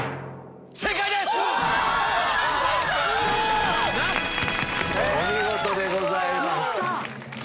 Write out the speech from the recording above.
すごい！お見事でございます。